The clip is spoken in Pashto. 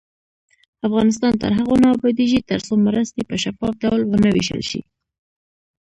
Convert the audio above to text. افغانستان تر هغو نه ابادیږي، ترڅو مرستې په شفاف ډول ونه ویشل شي.